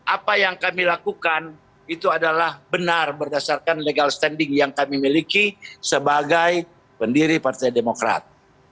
apa yang kami lakukan itu adalah benar berdasarkan legal standing yang kami miliki sebagai pendiri partai demokrat